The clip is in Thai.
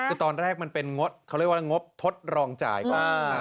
คือตอนแรกมันเป็นงบเขาเรียกว่างบทดรองจ่ายบ้าง